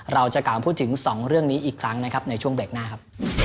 เราจะกล่าวพูดถึงสองเรื่องนี้อีกครั้งในช่วงแบรกหน้าครับ